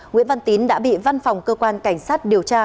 nguyễn văn tín đã bị văn phòng cơ quan cảnh sát điều tra